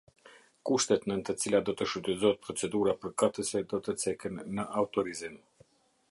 Kushtet nën të cilat do të shfrytëzohet procedura përkatëse do të ceken në Autorizim.